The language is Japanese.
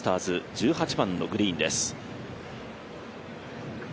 １８番のグリーンです。